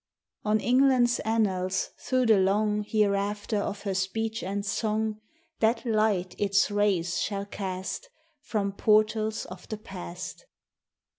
On England's annals, through the long Hereafter of her speech and song, That light its rays shall cast From portals of the past.